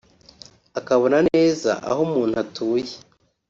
akabona neza aho umuntu atuye